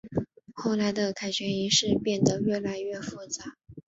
后来的凯旋仪式变得越来越复杂。